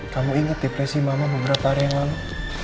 kamu ingat depresi mama beberapa hari yang lalu